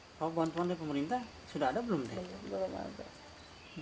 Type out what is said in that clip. kepala korban di depan pemerintah sudah ada atau belum